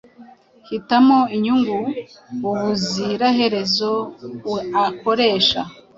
Hitamo inyungu ubuziraherezo uakoresha